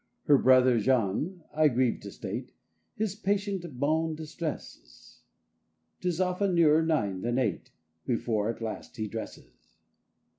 Her brother Jean—I grieve to state— His patient bonne distresses; 'Tis often nearer nine than eight Before at last he dresses.